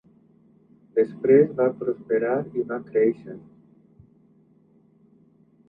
Després va prosperar i va créixer.